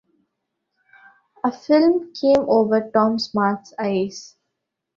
A film came over Tom Smart’s eyes.